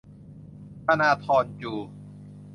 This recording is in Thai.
ธนาธร จู